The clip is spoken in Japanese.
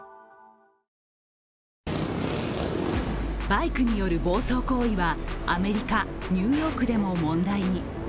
バイクによる暴走行為はアメリカ・ニューヨークでも問題に。